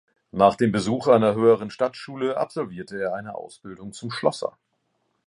Nach dem Besuch einer höheren Stadtschule absolvierte er eine Ausbildung zum Schlosser.